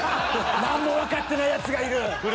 何もわかってないやつがいる。